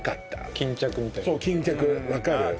巾着みたいなやつ？